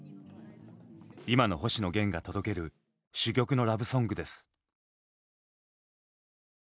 今の星野源が届ける珠玉のラブソングです。